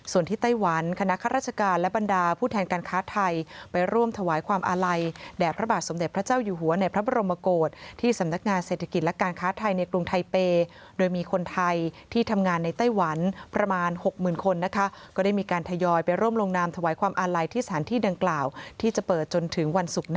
ส่วนที่ไต้หวันคณะข้าราชการและบรรดาผู้แทนการค้าไทยไปร่วมถวายความอาลัยแด่พระบาทสมเด็จพระเจ้าอยู่หัวในพระบรมโกศที่สำนักงานเศรษฐกิจและการค้าไทยในกรุงไทเปย์โดยมีคนไทยที่ทำงานในไต้หวันประมาณ๖๐๐๐คนก็ได้มีการทยอยไปร่วมลงนามถวายความอาลัยที่สถานที่ดังกล่าวที่จะเปิดจนถึงวันศุกร์